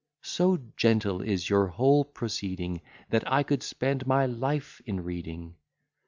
So gentle is your whole proceeding, That I could spend my life in reading.